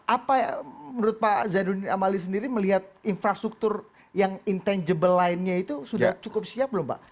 apa menurut pak zainuddin amali sendiri melihat infrastruktur yang intangible lainnya itu sudah cukup siap belum pak